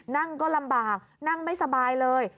นั่งก็ลำบากนั่งไม่สบายเลย